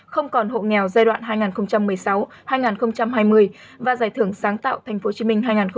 không còn hộ nghèo giai đoạn hai nghìn một mươi sáu hai nghìn hai mươi và giải thưởng sáng tạo tp hcm hai nghìn hai mươi